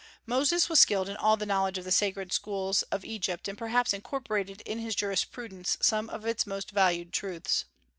Moses was skilled in all the knowledge of the sacred schools of Egypt, and perhaps incorporated in his jurisprudence some of its most valued truths.